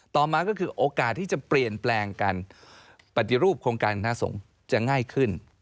ต่อมาก็คือโอกาสที่จะเปลี่ยนแปลงการปฏิรูปโครงการคณะสงฆ์จะง่ายขึ้น